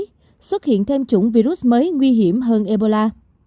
sự tái xuất hiện thêm chủng virus mới nguy hiểm hơn ebola